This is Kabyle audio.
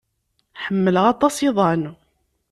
Ḥemmleɣ aṭas iḍan.